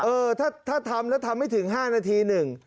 เออถ้าทำแล้วทำไม่ถึง๕นาทีหนึ่ง